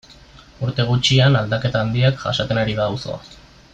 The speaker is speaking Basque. Urte gutxian aldaketa handiak jasaten ari da auzoa.